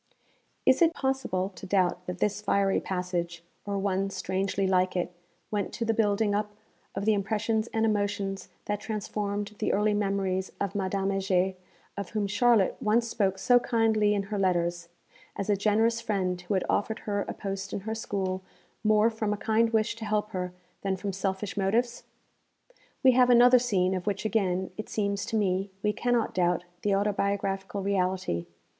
Is it possible to doubt that this 'fiery passage,' or one strangely like it went to the building up of the impressions and emotions that transformed the early memories of Madame Heger, of whom Charlotte once spoke so kindly in her letters, as a generous friend who had offered her a post in her school more from a kind wish to help her than from selfish motives? We have another scene of which again, it seems to me, we cannot doubt the autobiographical reality.